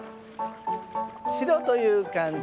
白というかんじ